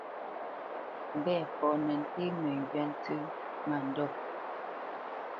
Mbɛ̂fɔ nə́ ntéé məŋgywá ntsə́ mándɔ̂.